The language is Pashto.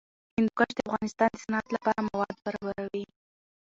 هندوکش د افغانستان د صنعت لپاره مواد برابروي.